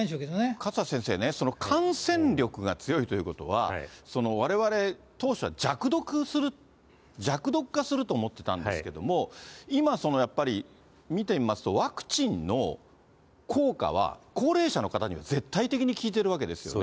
勝田先生ね、感染力が強いということは、われわれ、当初は弱毒する、弱毒化するって思ってたんですけども、今、やっぱり見てみますと、ワクチンの効果は、高齢者の方には絶対的に効いてるわけですよね。